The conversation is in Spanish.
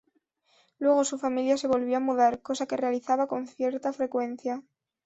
Luego su familia se volvió a mudar, cosa que realizaba con cierta frecuencia.